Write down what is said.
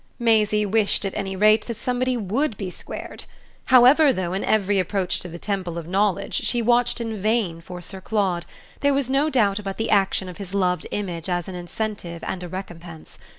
Maisie wished at any rate that somebody WOULD be squared. However, though in every approach to the temple of knowledge she watched in vain for Sir Claude, there was no doubt about the action of his loved image as an incentive and a recompense.